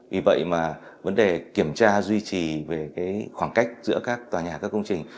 vì vậy mà vấn đề kiểm tra duy trì về khoảng cách giữa các tòa nhà các công trình